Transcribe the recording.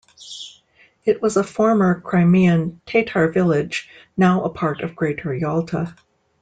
It was a former Crimean Tatar village, now a part of Greater Yalta.